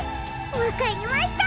わかりました！